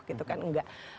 gitu kan tidak